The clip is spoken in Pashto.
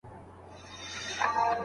فارابي غوښتل چي خلګ خوشحاله وي.